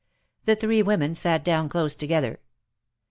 The three women sat down close together.